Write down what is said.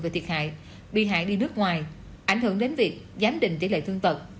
về thiệt hại bị hại đi nước ngoài ảnh hưởng đến việc giám định tỷ lệ thương tật